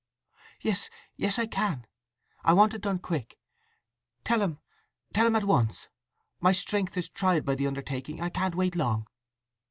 "Yes, yes, I can! I want it done quick. Tell him, tell him at once! My strength is tried by the undertaking—I can't wait long!"